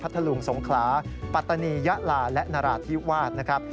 ทะลุงสงขลาปัตตานียะลาและนราธิวาสนะครับ